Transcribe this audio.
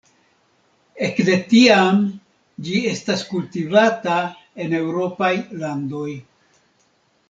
Ekde tiam ĝi estas kultivata en eŭropaj landoj.